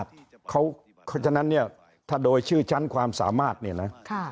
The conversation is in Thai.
เพราะฉะนั้นเนี่ยถ้าโดยชื่อชั้นความสามารถเนี่ยนะ